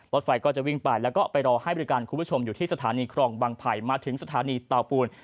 รถไฟก็จะวิ่งไปแล้วก็ไปรอให้บริการคุณผู้ชมอยู่ที่สถานีครองบางไผ่มาถึงสถานีเตาปูน